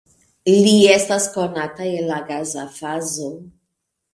Li estas konata en la gaza fazo.